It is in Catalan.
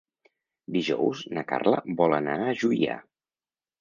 Dijous na Carla vol anar a Juià.